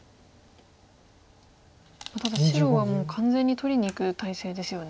ただ白はもう完全に取りにいく態勢ですよね。